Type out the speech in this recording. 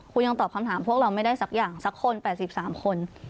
คุณยังตอบคำถามพวกเราไม่ได้สักอย่างสักคน๘๓คน